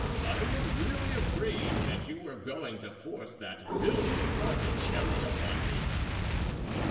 I was really afraid that you were going to force that villain Particelli upon me."